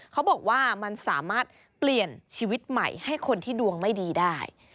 เขาบอกว่ามันสามารถเปลี่ยนชีวิตใหม่ให้คนที่ดวงไม่ดีได้